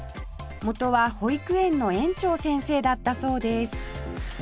元は保育園の園長先生だったそうです